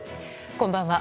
こんばんは。